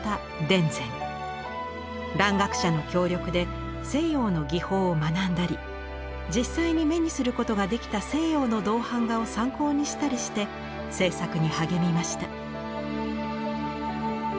蘭学者の協力で西洋の技法を学んだり実際に目にすることができた西洋の銅版画を参考にしたりして制作に励みました。